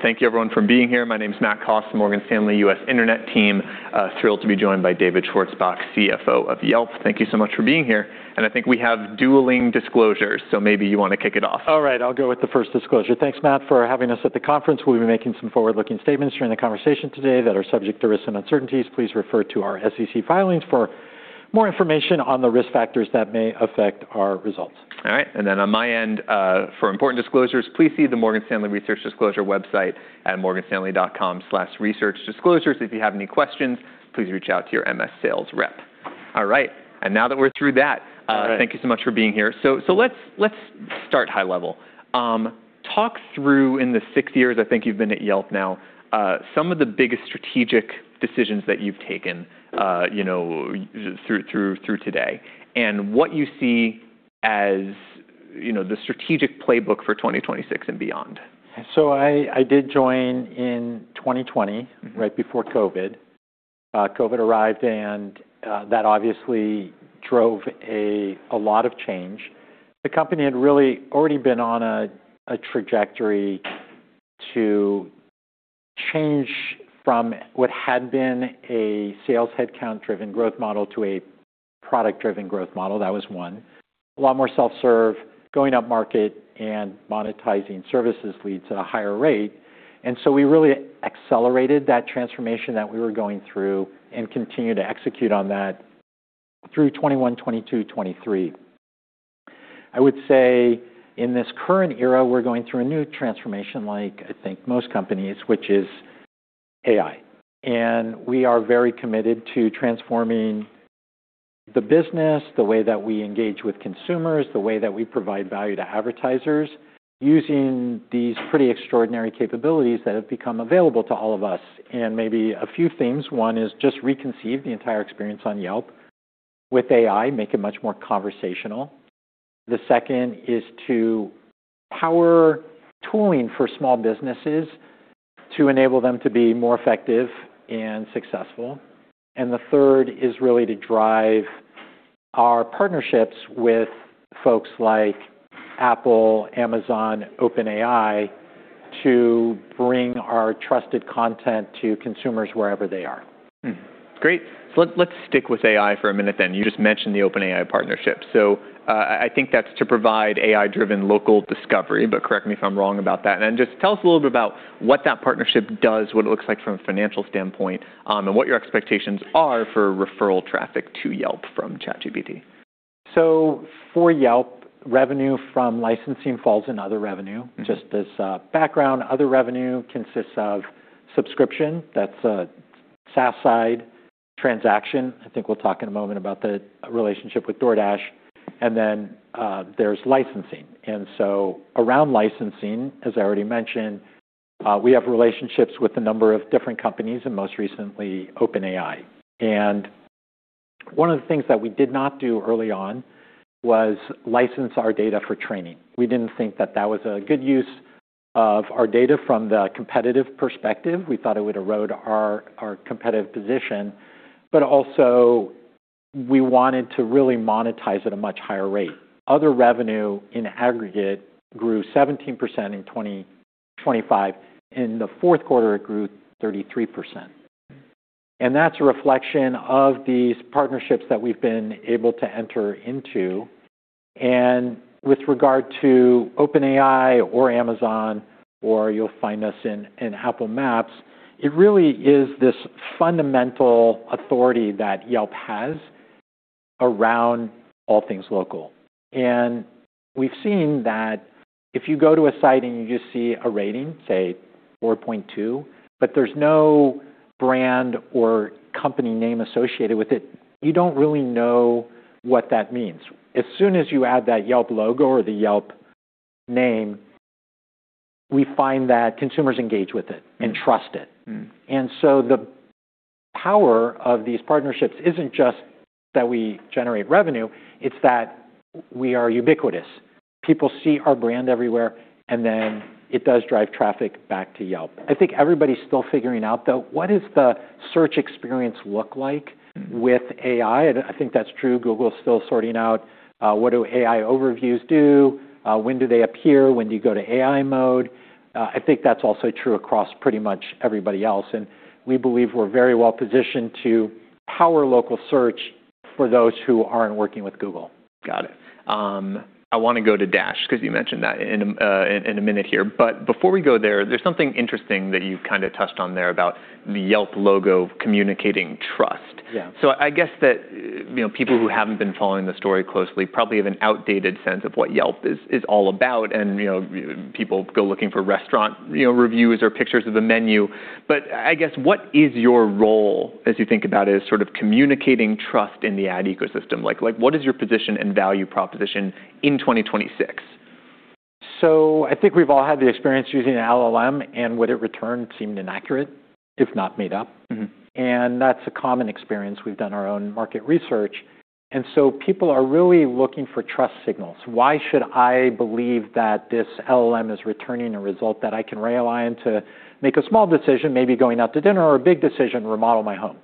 Thank you everyone for being here. My name is Matt Koss, Morgan Stanley US Internet team. Thrilled to be joined by David Schwarzbach, CFO of Yelp. Thank you so much for being here. I think we have dueling disclosures, so maybe you wanna kick it off. All right, I'll go with the first disclosure. Thanks, Matt, for having us at the conference. We'll be making some forward-looking statements during the conversation today that are subject to risks and uncertainties. Please refer to our SEC filings for more information on the risk factors that may affect our results. All right. On my end, for important disclosures, please see the Morgan Stanley Research Disclosures website at morganstanley.com/researchdisclosures. If you have any questions, please reach out to your MS sales rep. All right. Now that we're through that. All right. Thank you so much for being here. Let's start high level. Talk through in the six years I think you've been at Yelp now, some of the biggest strategic decisions that you've taken you know through today, and what you see as you know the strategic playbook for 2026 and beyond. I did join in twenty twenty-. Mm-hmm. Right before COVID. COVID arrived, and that obviously drove a lot of change. The company had really already been on a trajectory to change from what had been a sales headcount-driven growth model to a product-driven growth model. That was one. A lot more self-serve, going upmarket and monetizing services leads at a higher rate. We really accelerated that transformation that we were going through and continued to execute on that through 2021, 2022, 2023. I would say in this current era, we're going through a new transformation like, I think, most companies, which is AI. We are very committed to transforming the business, the way that we engage with consumers, the way that we provide value to advertisers using these pretty extraordinary capabilities that have become available to all of us. Maybe a few things. One is just reconceive the entire experience on Yelp with AI, make it much more conversational. The second is to power tooling for small businesses to enable them to be more effective and successful. The third is really to drive our partnerships with folks like Apple, Amazon, OpenAI, to bring our trusted content to consumers wherever they are. Great. Let's stick with AI for a minute then. You just mentioned the OpenAI partnership. I think that's to provide AI-driven local discovery, but correct me if I'm wrong about that. Just tell us a little bit about what that partnership does, what it looks like from a financial standpoint, and what your expectations are for referral traffic to Yelp from ChatGPT. For Yelp revenue from licensing falls in other revenue. Mm-hmm. Just as background, other revenue consists of subscription. That's a SaaS side transaction. I think we'll talk in a moment about the relationship with DoorDash. Then there's licensing. So around licensing as I already mentioned we have relationships with a number of different companies and most recently OpenAI. One of the things that we did not do early on was license our data for training. We didn't think that that was a good use of our data from the competitive perspective. We thought it would erode our competitive position, but also we wanted to really monetize at a much higher rate. Other revenue in aggregate grew 17% in 2025. In the fourth quarter, it grew 33%. That's a reflection of these partnerships that we've been able to enter into. With regard to OpenAI or Amazon, or you'll find us in Apple Maps, it really is this fundamental authority that Yelp has around all things local. We've seen that if you go to a site and you just see a rating, say 4.2, but there's no brand or company name associated with it, you don't really know what that means. As soon as you add that Yelp logo or the Yelp name we find that consumers engage with it and trust it. Mm. The power of these partnerships isn't just that we generate revenue, it's that we are ubiquitous. People see our brand everywhere it does drive traffic back to Yelp. I think everybody's still figuring out though what does the search experience look like with AI. Mm. I think that's true. Google is still sorting out, what do AI Overviews do, when do they appear, when do you go to AI mode? I think that's also true across pretty much everybody else, and we believe we're very well positioned to power local search for those who aren't working with Google. Got it. I wanna go to Dash 'cause you mentioned that in a minute here. Before we go there's something interesting that you've kinda touched on there about the Yelp logo communicating trust. Yeah. I guess that you know people who haven't been following the story closely probably have an outdated sense of what Yelp is all about. You know, people go looking for restaurant you know reviews or pictures of the menu. I guess what is your role as you think about it as sort of communicating trust in the ad ecosystem? Like, what is your position and value proposition in 2026? I think we've all had the experience using an LLM and what it returned seemed inaccurate, if not made up. Mm-hmm. That's a common experience. We've done our own market research, people are really looking for trust signals. Why should I believe that this LLM is returning a result that I can rely on to make a small decision, maybe going out to dinner or a big decision remodel my home?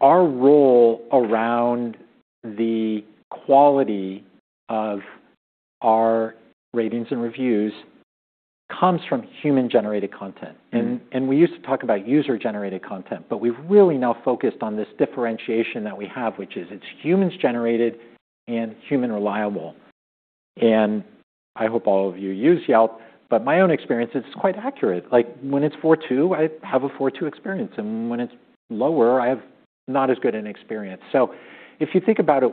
Our role around the quality of our ratings and reviews comes from human-generated content. We used to talk about user-generated content, but we've really now focused on this differentiation that we have, which is it's humans generated and human reliable. I hope all of you use Yelp, but my own experience, it's quite accurate. Like when it's 4.2, I have a 4.2 experience, and when it's lower, I have not as good an experience. If you think about it,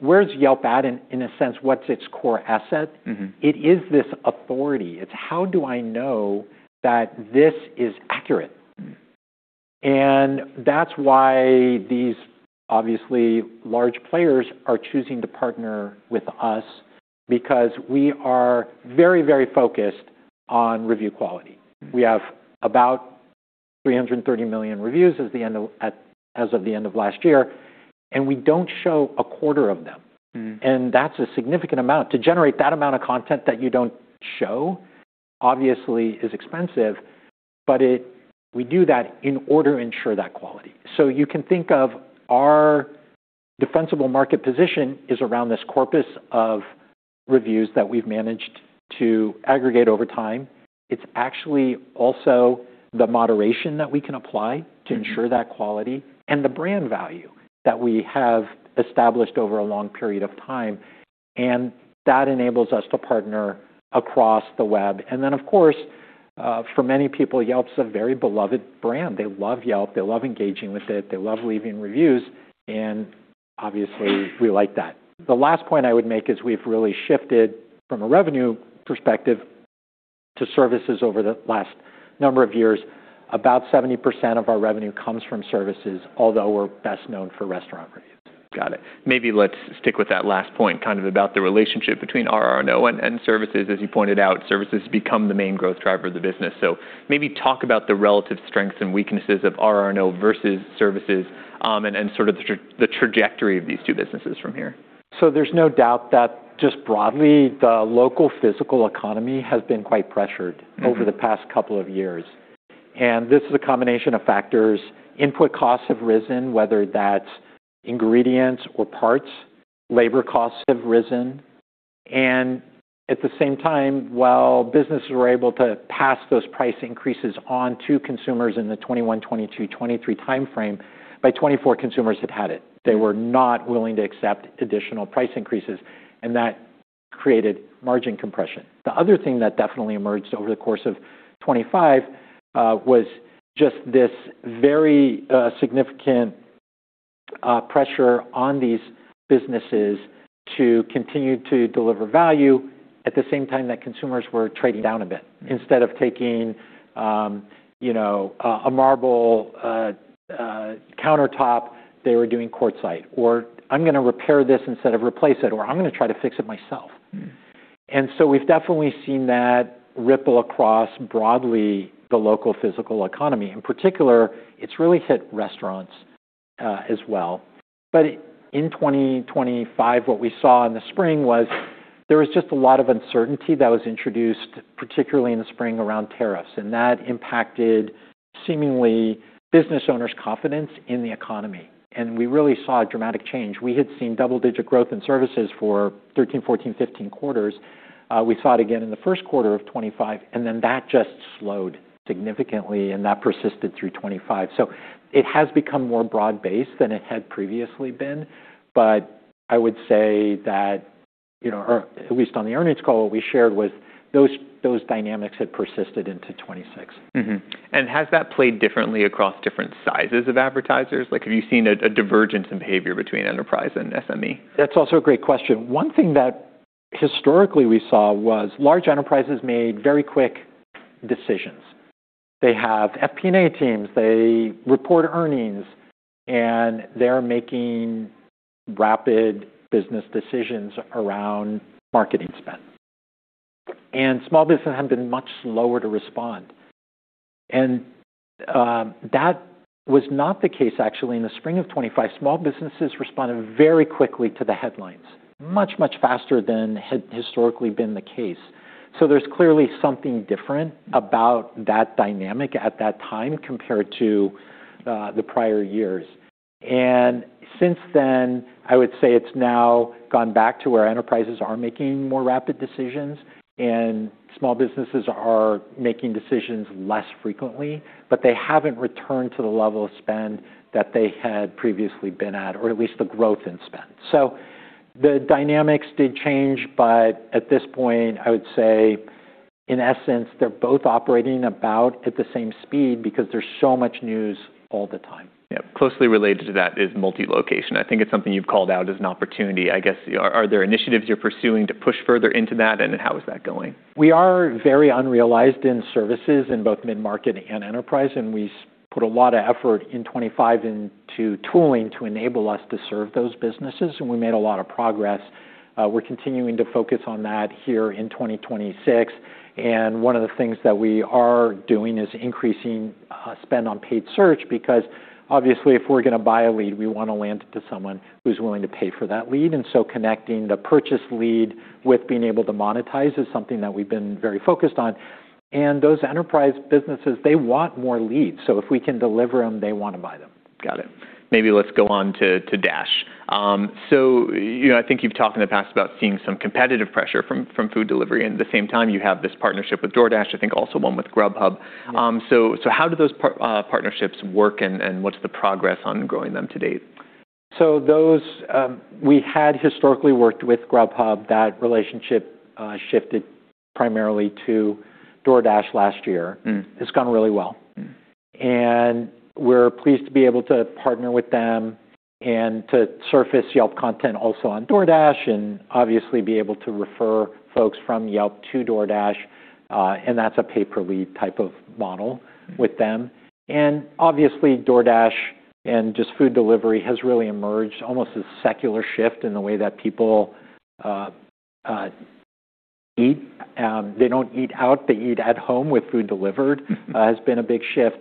where's Yelp at, in a sense, what's its core asset? Mm-hmm. It is this authority. It's how do I know that this is accurate? Mm-hmm. That's why these obviously large players are choosing to partner with us because we are very very focused on review quality. We have about 330 million reviews as of the end of last year. We don't show a quarter of them. Mm-hmm. That's a significant amount. To generate that amount of content that you don't show obviously is expensive, but we do that in order to ensure that quality. You can think of our defensible market position is around this corpus of reviews that we've managed to aggregate over time. It's actually also the moderation that we can apply to ensure that quality and the brand value that we have established over a long period of time and that enables us to partner across the web. Of course for many people, Yelp's a very beloved brand. They love Yelp. They love engaging with it. They love leaving reviews, and obviously we like that. The last point I would make is we've really shifted from a revenue perspective to services over the last number of years. About 70% of our revenue comes from services, although we're best known for restaurant reviews. Got it. Maybe let's stick with that last point, kind of about the relationship between RR&O and services. As you pointed out, services become the main growth driver of the business. Maybe talk about the relative strengths and weaknesses of RR&O versus services, and sort of the trajectory of these two businesses from here. There's no doubt that just broadly, the local physical economy has been quite pressured. Mm-hmm. over the past couple of years. This is a combination of factors. Input costs have risen, whether that's ingredients or parts. Labor costs have risen. At the same time, while businesses were able to pass those price increases on to consumers in the 21, 22, 23 timeframe, by 24, consumers had had it. They were not willing to accept additional price increases, and that created margin compression. The other thing that definitely emerged over the course of 25 was just this very significant pressure on these businesses to continue to deliver value at the same time that consumers were trading down a bit. Instead of taking you know a marble countertop, they were doing quartzite. I'm gonna repair this instead of replace it, or I'm gonna try to fix it myself. Mm-hmm. We've definitely seen that ripple across broadly the local physical economy. In particular, it's really hit restaurants as well. In 2025, what we saw in the spring was there was just a lot of uncertainty that was introduced, particularly in the spring, around tariffs, and that impacted seemingly business owners' confidence in the economy. We really saw a dramatic change. We had seen double-digit growth in services for 13, 14, 15 quarters. We saw it again in the first quarter of 2025, and then that just slowed significantly, and that persisted through 2025. It has become more broad-based than it had previously been. I would say that you know or at least on the earnings call, what we shared was those dynamics had persisted into 2026. Mm-hmm. Has that played differently across different sizes of advertisers? Like have you seen a divergence in behavior between enterprise and SME? That's also a great question. One thing that historically we saw was large enterprises made very quick decisions. They have FP&A teams, they report earnings, and they're making rapid business decisions around marketing spend. Small business have been much slower to respond. That was not the case actually. In the spring of 2025, small businesses responded very quickly to the headlines, much faster than had historically been the case. There's clearly something different about that dynamic at that time compared to the prior years. Since then, i would say it's now gone back to where enterprises are making more rapid decisions and small businesses are making decisions less frequently, but they haven't returned to the level of spend that they had previously been at, or at least the growth in spend. The dynamics did change, but at this point, o would say in essence, they're both operating about at the same speed because there's so much news all the time. Yeah. Closely related to that is multi-location. I think it's something you've called out as an opportunity. I guess are there initiatives you're pursuing to push further into that, and how is that going? We are very unrealized in services in both mid-market and enterprise, and we put a lot of effort in 2025 into tooling to enable us to serve those businesses, and we made a lot of progress. We're continuing to focus on that here in 2026. One of the things that we are doing is increasing spend on paid search because obviously if we're gonna buy a lead, we wanna land it to someone who's willing to pay for that lead. Connecting the purchase lead with being able to monetize is something that we've been very focused on. Those enterprise businesses, they want more leads. If we can deliver them they wanna buy them. Got it. Maybe let's go on to Dash. You know, I think you've talked in the past about seeing some competitive pressure from food delivery, and at the same time, you have this partnership with DoorDash, I think also one with Grubhub. How do those partnerships work and what's the progress on growing them to date? Those, we had historically worked with Grubhub. That relationship shifted primarily to DoorDash last year. Mm. It's gone really well. Mm. We're pleased to be able to partner with them and to surface Yelp content also on DoorDash and obviously be able to refer folks from Yelp to DoorDash, and that's a pay-per-lead type of model. Mm. with them. Obviously DoorDash and just food delivery has really emerged almost a secular shift in the way that people eat. They don't eat out, they eat at home with food delivered- Mm-hmm. has been a big shift.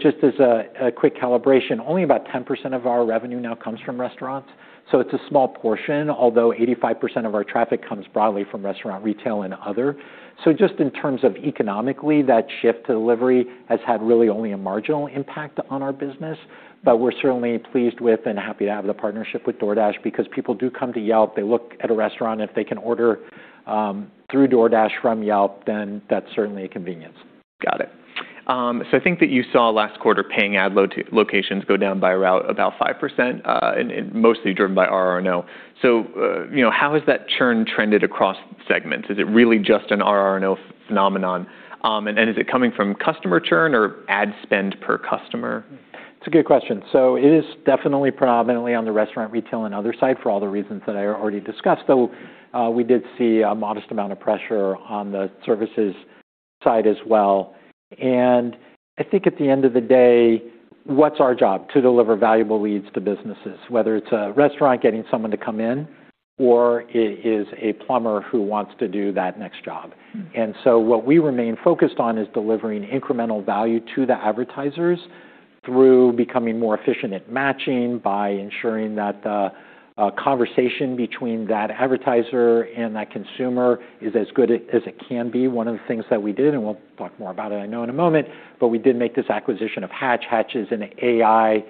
Just as a quick calibration only about 10% of our revenue now comes from restaurants so it's a small portion although 85% of our traffic comes broadly from restaurant, retail, and other. Just in terms of economically that shift to delivery has had really only a marginal impact on our business. We're certainly pleased with and happy to have the partnership with DoorDash because people do come to Yelp, they look at a restaurant, if they can order through DoorDash from Yelp, then that's certainly a convenience. Got it. I think that you saw last quarter paying ad locations go down by about 5%, and mostly driven by RR&O. You know, how has that churn trended across segments? Is it really just an RR&O phenomenon? Is it coming from customer churn or ad spend per customer? It's a good question. It is definitely predominantly on the restaurant, retail, and other side for all the reasons that I already discussed, though, we did see a modest amount of pressure on the services side as well. I think at the end of the day, what's our job? To deliver valuable leads to businesses, whether it's a restaurant getting someone to come in, or it is a plumber who wants to do that next job. Mm. What we remain focused on is delivering incremental value to the advertisers through becoming more efficient at matching, by ensuring that the conversation between that advertiser and that consumer is as good as it can be. One of the things that we did, and we'll talk more about it I know in a moment, but we did make this acquisition of Hatch. Hatch is an AI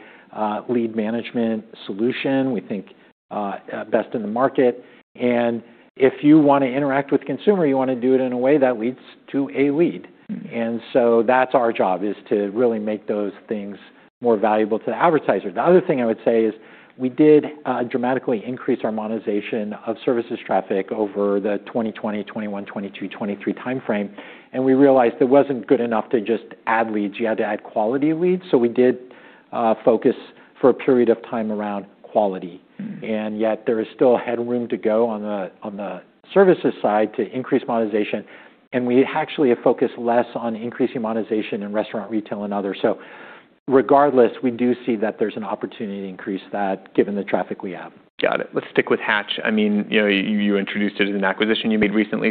lead management solution, we think, best in the market. If you wanna interact with consumer, you wanna do it in a way that leads to a lead. Mm. That's our job, is to really make those things more valuable to the advertiser. The other thing I would say is we did dramatically increase our monetization of services traffic over the 2020, 2021, 2022, 2023 timeframe. We realized it wasn't good enough to just add leads, you had to add quality leads. We did focus for a period of time around quality. Mm. Yet there is still headroom to go on the services side to increase monetization, and we actually have focused less on increasing monetization in restaurant, retail and others. Regardless, we do see that there's an opportunity to increase that given the traffic we have. Got it. Let's stick with Hatch. I mean you know you introduced it as an acquisition you made recently.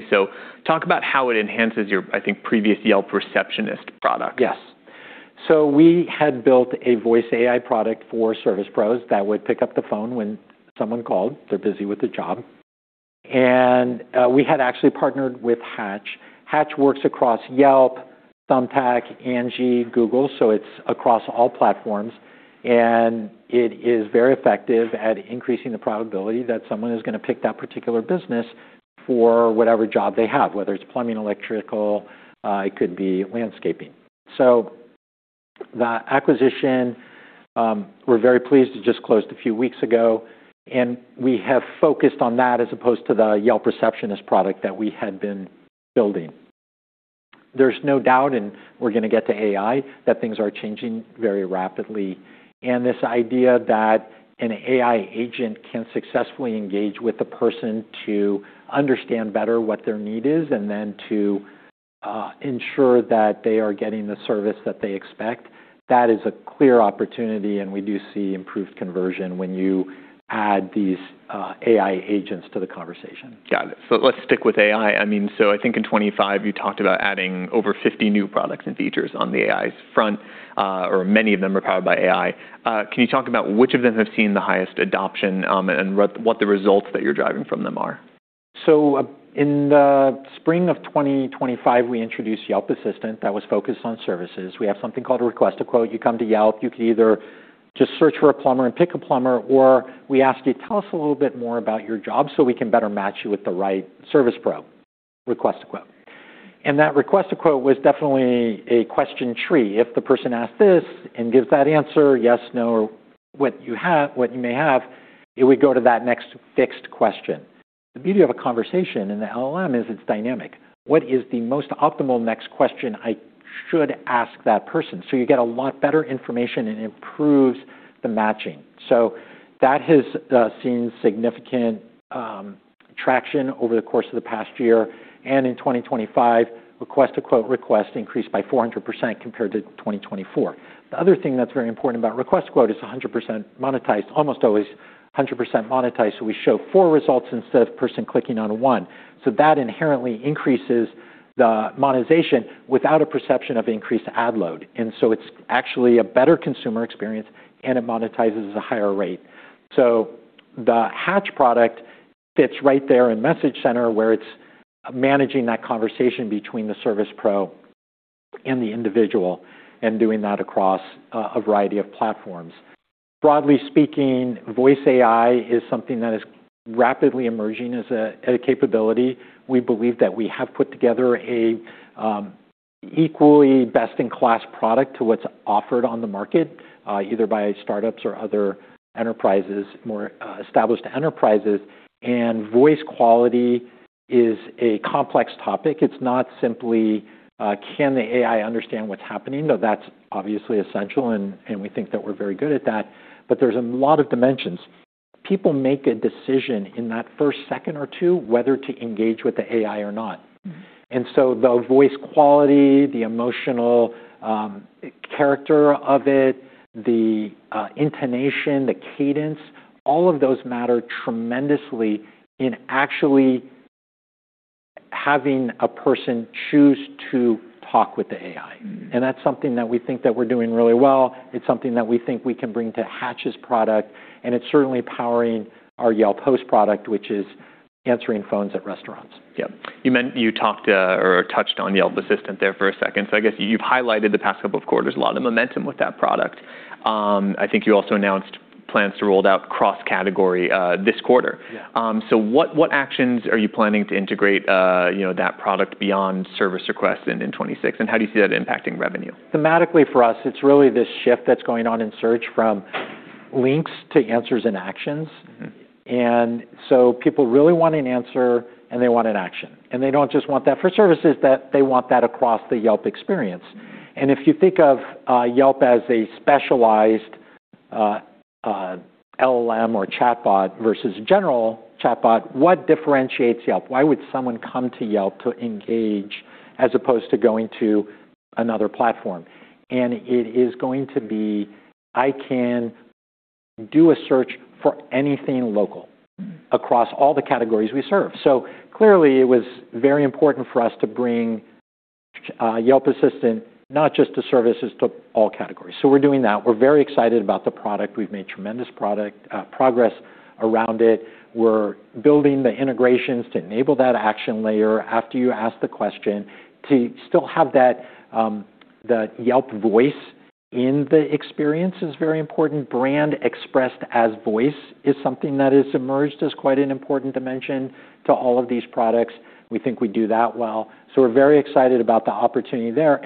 Talk about how it enhances your, I think, previous Yelp Receptionist product. Yes. We had built a voice AI product for service pros that would pick up the phone when someone called. They're busy with the job. And we had actually partnered with Hatch. Hatch works across Yelp, Thumbtack, Angi, Google, it's across all platforms, and it is very effective at increasing the probability that someone is gonna pick that particular business for whatever job they have, whether it's plumbing, electrical, it could be landscaping. The acquisition, we're very pleased, it just closed a few weeks ago, and we have focused on that as opposed to the Yelp Receptionist product that we had been building. There's no doubt, and we're gonna get to AI, that things are changing very rapidly. This idea that an AI agent can successfully engage with the person to understand better what their need is and then to ensure that they are getting the service that they expect, that is a clear opportunity, and we do see improved conversion when you add these AI agents to the conversation. Got it. Let's stick with AI. I mean i think in 2025, you talked about adding over 50 new products and features on the AI's front, or many of them are powered by AI. Can you talk about which of them have seen the highest adoption, and what the results that you're driving from them are? In the spring of 2025, we introduced Yelp Assistant that was focused on services. We have something called Request a Quote. You come to Yelp, you can either just search for a plumber and pick a plumber, or we ask you, "Tell us a little bit more about your job so we can better match you with the right service pro." Request a Quote. That Request a Quote was definitely a question tree. If the person asks this and gives that answer, yes, no, what you have, what you may have, it would go to that next fixed question. The beauty of a conversation in the LLM is it's dynamic. What is the most optimal next question I should ask that person? You get a lot better information, and it improves the matching. That has seen significant traction over the course of the past year. In 2025, Request a Quote requests increased by 400% compared to 2024. The other thing that's very important about Request Quote is 100% monetized, almost always 100% monetized. We show four results instead of person clicking on one. That inherently increases the monetization without a perception of increased ad load. It's actually a better consumer experience, and it monetizes at a higher rate. The Hatch product fits right there in Message Center where it's managing that conversation between the service pro and the individual and doing that across a variety of platforms. Broadly speaking, voice AI is something that is rapidly emerging as a capability. We believe that we have put together a equally best-in-class product to what's offered on the market, either by startups or other enterprises, more established enterprises. Voice quality is a complex topic. It's not simply, can the AI understand what's happening, though that's obviously essential, and we think that we're very good at that, but there's a lot of dimensions. People make a decision in that first second or two whether to engage with the AI or not. Mm-hmm. The voice quality, the emotional character of it, the intonation the cadence all of those matter tremendously in actually having a person choose to talk with the AI. Mm-hmm. That's something that we think that we're doing really well. It's something that we think we can bring to Hatch's product, and it's certainly powering our Yelp Host product, which is answering phones at restaurants. Yep. You talked or touched on Yelp Assistant there for a second. I guess you've highlighted the past couple of quarters a lot of momentum with that product. I think you also announced plans to roll out cross-category this quarter. Yeah. What, what actions are you planning to integrate that product beyond service requests in 2026, and how do you see that impacting revenue? Thematically for us, it's really this shift that's going on in search from links to answers and actions. Mm-hmm. People really want an answer, and they want an action. They don't just want that for services that they want that across the Yelp experience. If you think of Yelp as a specialized LLM or chatbot versus general chatbot, what differentiates Yelp? Why would someone come to Yelp to engage as opposed to going to another platform? It is going to be, i can do a search for anything local- Mm-hmm. across all the categories we serve. Clearly, it was very important for us to bring Yelp Assistant not just to services, to all categories. We're doing that. We're very excited about the product. We've made tremendous product progress around it. We're building the integrations to enable that action layer after you ask the question to still have that, the Yelp voice in the experience is very important. Brand expressed as voice is something that has emerged as quite an important dimension to all of these products. We think we do that well. We're very excited about the opportunity there.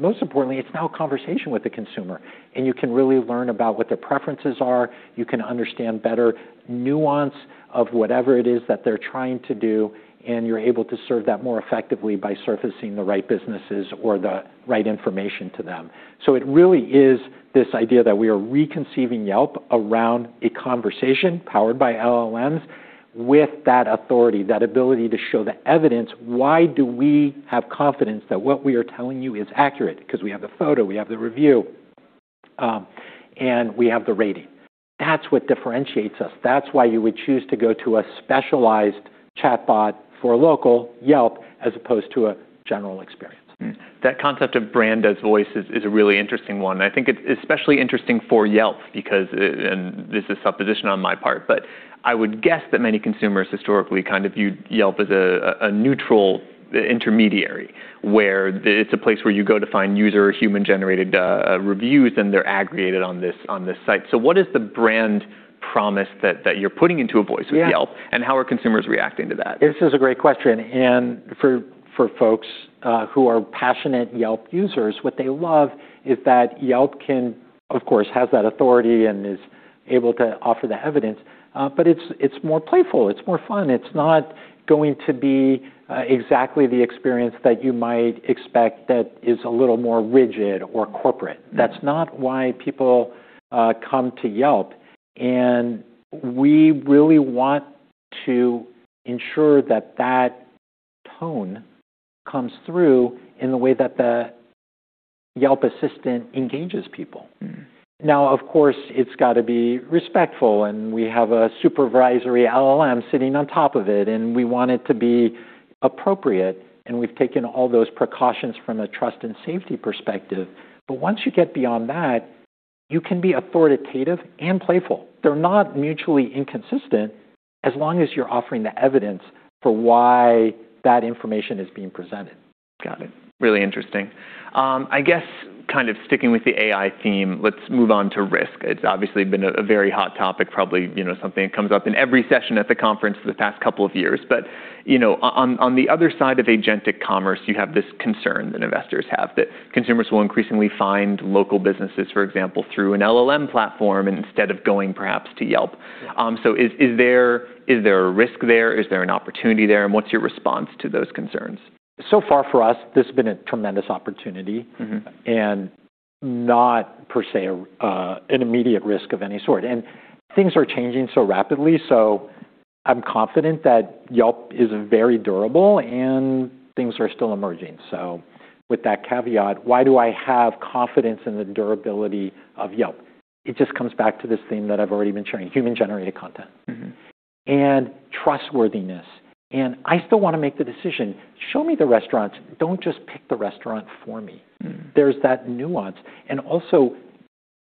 Most importantly, it's now a conversation with the consumer, and you can really learn about what their preferences are you can understand better nuance of whatever it is that they're trying to do, and you're able to serve that more effectively by surfacing the right businesses or the right information to them. It really is this idea that we are reconceiving Yelp around a conversation powered by LLMs with that authority, that ability to show the evidence. Why do we have confidence that what we are telling you is accurate? 'Cause we have the photo, we have the review, and we have the rating. That's what differentiates us. That's why you would choose to go to a specialized chatbot for local, Yelp, as opposed to a general experience. That concept of brand as voice is a really interesting one. I think it's especially interesting for Yelp because and this is supposition on my part, but I would guess that many consumers historically kind of viewed Yelp as a neutral intermediary, where it's a place where you go to find user human-generated reviews and they're aggregated on this site. What is the brand promise that you're putting into a voice with Yelp? Yeah. how are consumers reacting to that? This is a great question. For folks who are passionate Yelp users, what they love is that Yelp can, of course, has that authority and is able to offer the evidence, but it's more playful, it's more fun. It's not going to be exactly the experience that you might expect that is a little more rigid or corporate. Mm-hmm. That's not why people come to Yelp. We really want to ensure that that tone comes through in the way that the Yelp Assistant engages people. Mm-hmm. Now, of course, it's gotta be respectful, and we have a supervisory LLM sitting on top of it, and we want it to be appropriate, and we've taken all those precautions from a trust and safety perspective. Once you get beyond that, you can be authoritative and playful. They're not mutually inconsistent as long as you're offering the evidence for why that information is being presented. Got it. Really interesting. I guess kind of sticking with the AI theme, let's move on to risk. It's obviously been a very hot topic, probably you know something that comes up in every session at the conference for the past couple of years. You know, on the other side of agentic commerce, you have this concern that investors have that consumers will increasingly find local businesses, for example, through an LLM platform instead of going perhaps to Yelp. Is there a risk there? Is there an opportunity there? What's your response to those concerns? far for us, this has been a tremendous opportunity. Mm-hmm. Not per se a, an immediate risk of any sort. Things are changing so rapidly, so I'm confident that Yelp is very durable and things are still emerging. With that caveat, why do I have confidence in the durability of Yelp? It just comes back to this theme that I've already been sharing, human-generated content. Mm-hmm. Trustworthiness. I still wanna make the decision, show me the restaurants, don't just pick the restaurant for me. Mm-hmm. There's that nuance.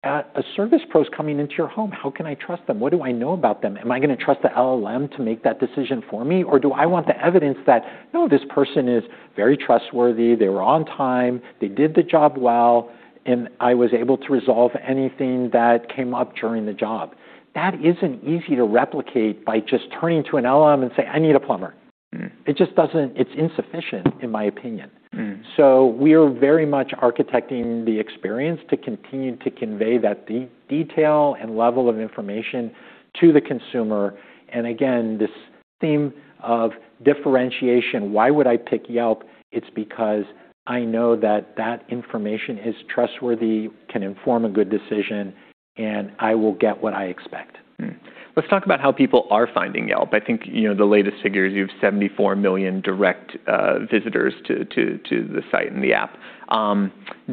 A service pro's coming into your home. How can I trust them? What do I know about them? Am I gonna trust the LLM to make that decision for me? Or do I want the evidence that, no, this person is very trustworthy, they were on time, they did the job well, and I was able to resolve anything that came up during the job. That isn't easy to replicate by just turning to an LLM and say, "I need a plumber. Mm. It's insufficient, in my opinion. Mm. We are very much architecting the experience to continue to convey that the detail and level of information to the consumer. Again, this theme of differentiation, why would I pick Yelp? It's because I know that that information is trustworthy, can inform a good decision, and I will get what I expect. Let's talk about how people are finding Yelp. I think you know the latest figures, you have 74 million direct visitors to the site and the app.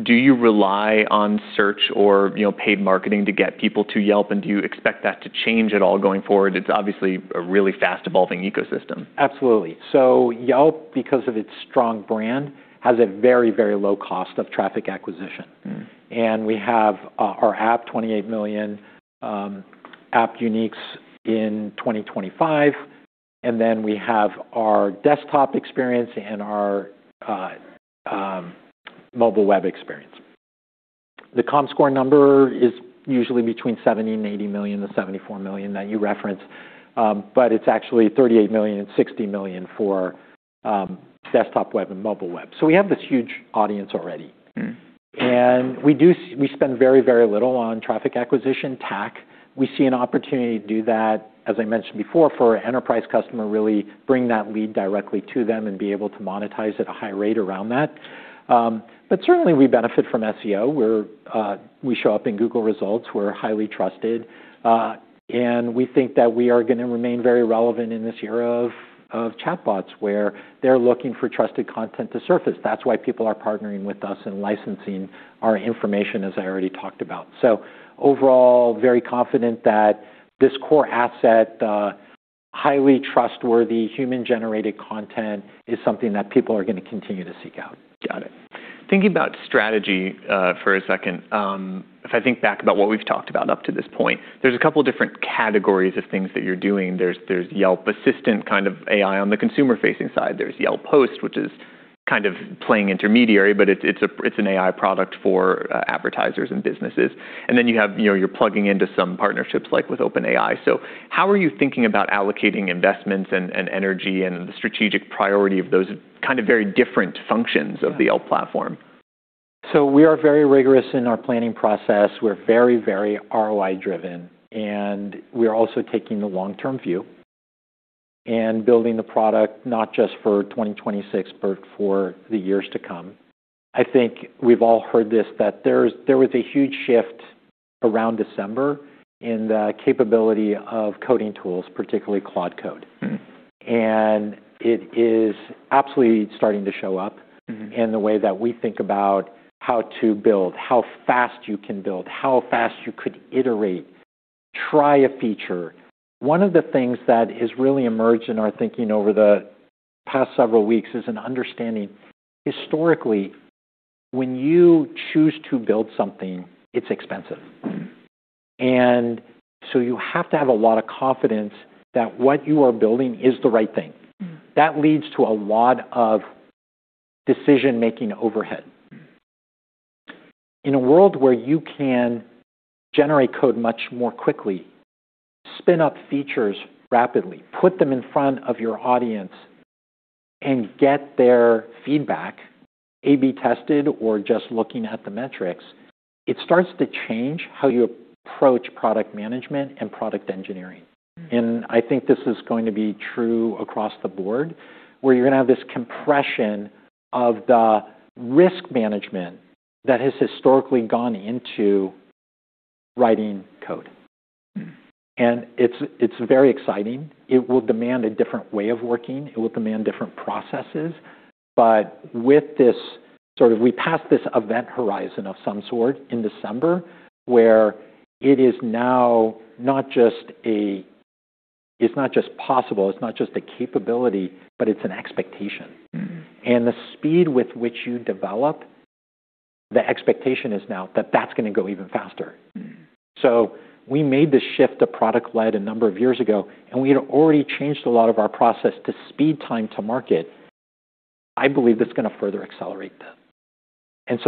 Do you rely on search or you know paid marketing to get people to Yelp, and do you expect that to change at all going forward? It's obviously a really fast-evolving ecosystem. Absolutely. Yelp, because of its strong brand, has a very, very low cost of traffic acquisition. Mm. We have our app, 28 million app uniques in 2025, then we have our desktop experience and our mobile web experience. The Comscore number is usually between 70 million-80 million, the 74 million that you referenced, but it's actually 38 million and 60 million for desktop web and mobile web. We have this huge audience already. Mm. We do we spend very, very little on traffic acquisition, TAC. We see an opportunity to do that, as I mentioned before, for enterprise customer, really bring that lead directly to them and be able to monetize at a high rate around that. Certainly we benefit from SEO. We're, we show up in Google results. We're highly trusted. We think that we are gonna remain very relevant in this era of chatbots, where they're looking for trusted content to surface. That's why people are partnering with us and licensing our information, as I already talked about. Overall, very confident that this core asset, highly trustworthy, human-generated content is something that people are gonna continue to seek out. Got it. Thinking about strategy for a second, if I think back about what we've talked about up to this point, there's a couple different categories of things that you're doing. There's Yelp Assistant kind of AI on the consumer-facing side. There's Yelp Host, which is kind of playing intermediary, but it's an AI product for advertisers and businesses. Then you have you know you're plugging into some partnerships, like with OpenAI. How are you thinking about allocating investments and energy and the strategic priority of those kind of very different functions of the Yelp platform? We are very rigorous in our planning process. We're very, very ROI-driven, and we're also taking the long-term view and building the product not just for 2026, but for the years to come. I think we've all heard this, that there was a huge shift around December in the capability of coding tools, particularly Claude Code. Mm. It is absolutely starting to show up. Mm-hmm in the way that we think about how to build, how fast you can build, how fast you could iterate, try a feature. One of the things that has really emerged in our thinking over the past several weeks is an understanding, historically, when you choose to build something, it's expensive. Mm. You have to have a lot of confidence that what you are building is the right thing. Mm. That leads to a lot of decision-making overhead. Mm. In a world where you can generate code much more quickly, spin up features rapidly, put them in front of your audience, and get their feedback, A/B tested or just looking at the metrics, it starts to change how you approach product management and product engineering. Mm. I think this is going to be true across the board, where you're gonna have this compression of the risk management that has historically gone into writing code. Mm. It's very exciting. It will demand a different way of working. It will demand different processes. With this, sort of we passed this event horizon of some sort in December, where it is now not just possible, it's not just a capability, but it's an expectation. Mm. The speed with which you develop, the expectation is now that that's going to go even faster. Mm. We made the shift to product-led a number of years ago, and we had already changed a lot of our process to speed time to market. I believe that's gonna further accelerate that.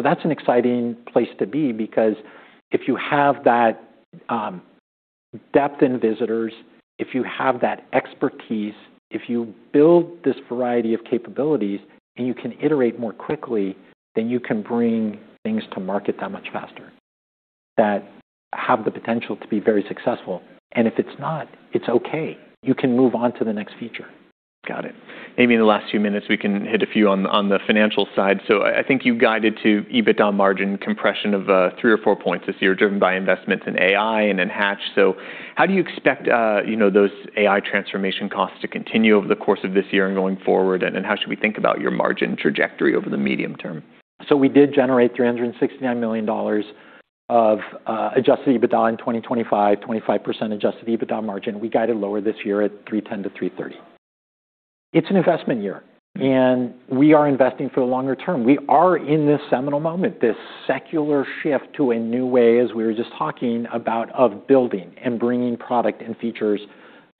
That's an exciting place to be because if you have that depth in visitors, if you have that expertise, if you build this variety of capabilities and you can iterate more quickly, then you can bring things to market that much faster that have the potential to be very successful. If it's not, it's okay. You can move on to the next feature. Got it. Maybe in the last few minutes, we can hit a few on the financial side. I think you guided to EBITDA margin compression of three or four points this year driven by investments in AI and in Hatch. How do you expect you know those AI transformation costs to continue over the course of this year and going forward, and how should we think about your margin trajectory over the medium term? We did generate $369 million of Adjusted EBITDA in 2025, 25% Adjusted EBITDA margin. We guided lower this year at $310-$330. It's an investment year, and we are investing for the longer term. We are in this seminal moment, this secular shift to a new way, as we were just talking about of building and bringing product and features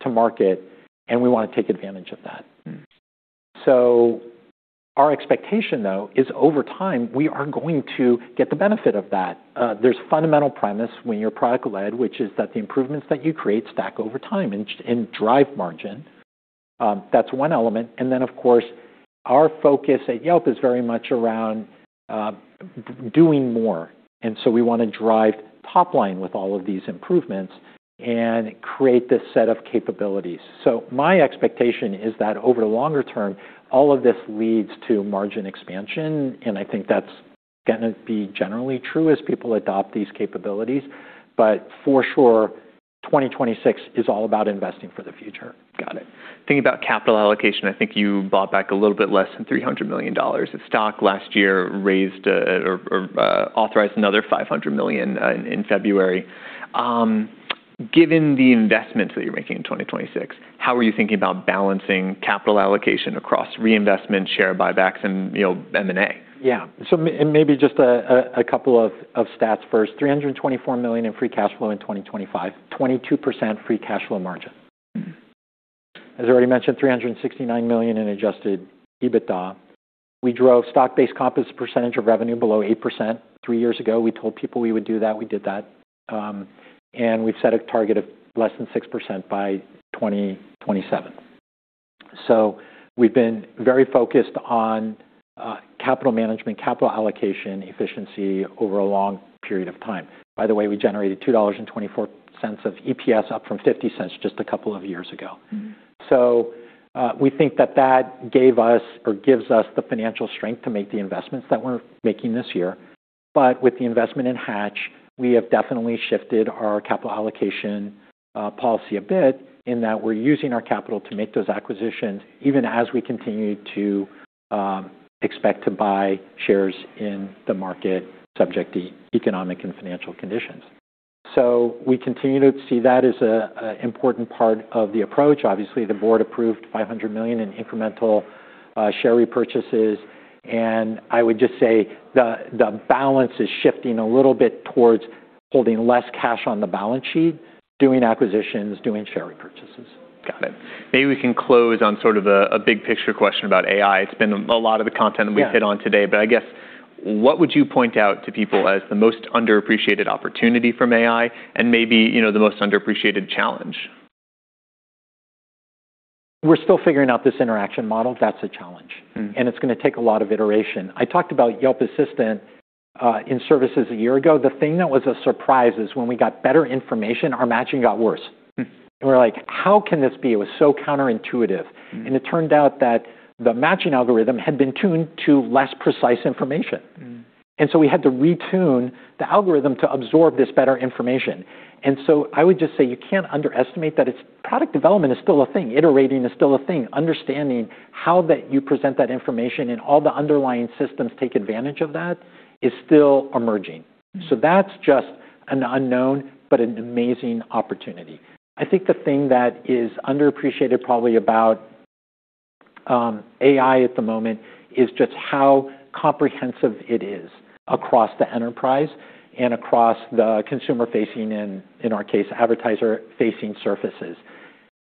to market, and we wanna take advantage of that. Our expectation though is over time we are going to get the benefit of that. There's fundamental premise when you're product-led which is that the improvements that you create stack over time and drive margin. That's one element. Of course, our focus at Yelp is very much around doing more. We wanna drive top line with all of these improvements and create this set of capabilities. My expectation is that over the longer term all of this leads to margin expansion, and I think that's gonna be generally true as people adopt these capabilities. For sure, 2026 is all about investing for the future. Got it. Thinking about capital allocation, I think you bought back a little bit less than $300 million in stock last year, raised or authorized another $500 million in February. Given the investments that you're making in 2026, how are you thinking about balancing capital allocation across reinvestment, share buybacks, and you know M&A? Yeah. Maybe just a couple of stats first. $324 million in free cash flow in 2025, 22% free cash flow margin. As I already mentioned, $369 million in Adjusted EBITDA. We drove stock-based compensation as a percentage of revenue below 8%. three years ago, we told people we would do that. We did that. We've set a target of less than 6% by 2027. We've been very focused on capital management, capital allocation efficiency over a long period of time. By the way, we generated $2.24 of EPS up from $0.50 just a couple of years ago. We think that that gave us or gives us the financial strength to make the investments that we're making this year. With the investment in Hatch, we have definitely shifted our capital allocation policy a bit in that we're using our capital to make those acquisitions even as we continue to expect to buy shares in the market subject to economic and financial conditions. We continue to see that as a important part of the approach. Obviously, the Board approved $500 million in incremental share repurchases, I would just say the balance is shifting a little bit towards holding less cash on the balance sheet, doing acquisitions, doing share repurchases. Got it. Maybe we can close on sort of a big picture question about AI. It's been a lot of the content that. Yeah. hit on today. I guess, what would you point out to people as the most underappreciated opportunity from AI and maybe you know the most underappreciated challenge? We're still figuring out this interaction model. That's a challenge. Mm. it's gonna take a lot of iteration. I talked about Yelp Assistant in services a year ago. The thing that was a surprise is when we got better information, our matching got worse. Mm. We're like, "How can this be?" It was so counterintuitive. Mm. It turned out that the matching algorithm had been tuned to less precise information. Mm. We had to retune the algorithm to absorb this better information. I would just say you can't underestimate that it's. Product development is still a thing. Iterating is still a thing. Understanding how that you present that information and all the underlying systems take advantage of that is still emerging. Mm. That's just an unknown, but an amazing opportunity. I think the thing that is underappreciated probably about AI at the moment is just how comprehensive it is across the enterprise and across the consumer-facing and, in our case advertiser-facing surfaces.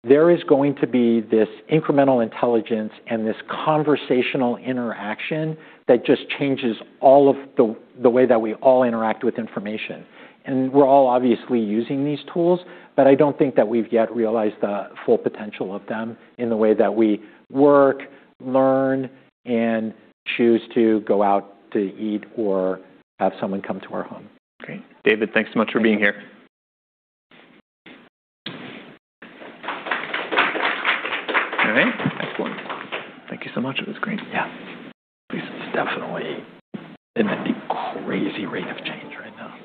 There is going to be this incremental intelligence and this conversational interaction that just changes all of the way that we all interact with information. We're all obviously using these tool but I don't think that we've yet realized the full potential of them in the way that we work learn and choose to go out to eat or have someone come to our home. Great. David, thanks so much for being here. Thank you. All right. Excellent. Thank you so much. It was great. Yeah. This is definitely in the crazy rate of change right now.